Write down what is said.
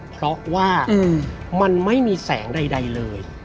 เพราะว่ามันไม่มีแสงใดเลย